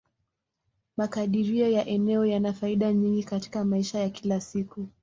Makadirio ya eneo yana faida nyingi katika maisha ya kila siku.